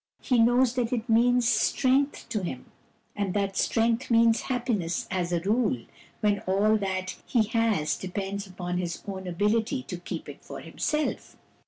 He knows that it means strength to him, and that strength means happiness, as a rule, when all that he has depends upon his own ability to keep it for himself.